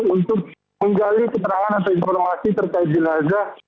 untuk menggali keterangan atau informasi terkait jenazah